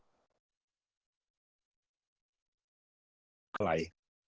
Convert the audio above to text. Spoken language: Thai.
อะไร